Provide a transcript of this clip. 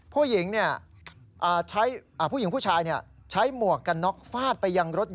ผู้หญิงผู้ชายใช้หมวกกันน็อกฟาดไปยังรถยนต์